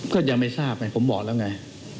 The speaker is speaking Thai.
ก็ยังไม่ทราบนะครับผมบอกแล้วไง